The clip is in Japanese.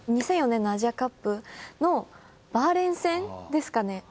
２００４年のアジアカップのバーレーン戦ですかね。